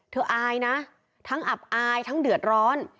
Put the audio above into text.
อายนะทั้งอับอายทั้งเดือดร้อน